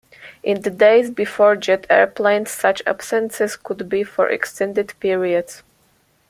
In the days before jet aeroplanes, such absences could be for extended periods.